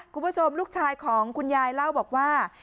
คุณผู้ชมลูกชายของคุณยายเล่าบอกว่า